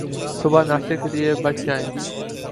صبح ناشتے کے لئے بچ جائیں